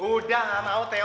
udah gak mau teo